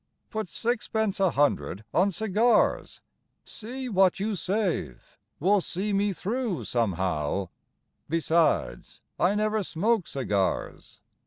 Put sixpence a hundred on cigars. "See What You Save" Will see me through somehow; Besides, I never smoke cigars.